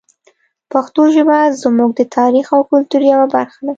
پښتو ژبه زموږ د تاریخ او کلتور یوه برخه ده.